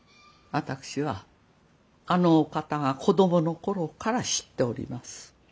私はあのお方が子供の頃から知っております。